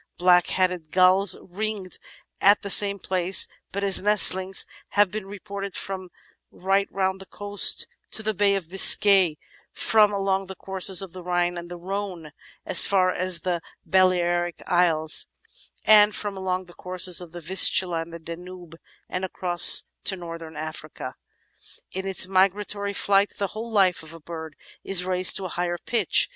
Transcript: Black headed Gulls ringed at the same place, but as nestlings, have been re ported from right round the coasts to the Bay of Biscay, from along the courses of the Rhine and the Rhone, and as far as the Balearic Isles, and from along the courses of the Vistula and the Danube and across to Northern Africa. In its migratory flight the whole life of a bird is raised to a higher pitch.